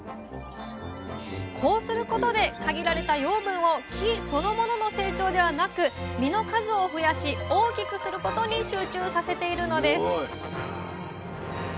こうすることで限られた養分を木そのものの成長ではなく実の数を増やし大きくすることに集中させているのです